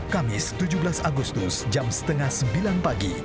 kamis tujuh belas agustus jam setengah sembilan pagi